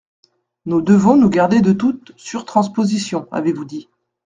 Nous devons nous garder de toute surtransposition, avez-vous dit.